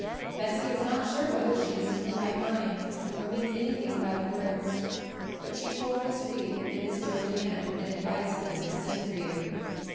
Bessie is not sure whether she is in her right mind, or means anything by the words; but she told Miss Reed and Miss Georgiana, and advised them to send for you.